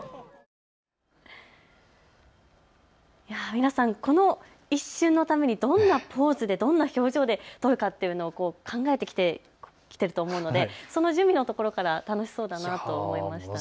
皆さん、この一瞬のためにどんなポーズでどんな表情で撮るかというのを考えてきていると思うのでその準備のところから楽しそうだなと思いました。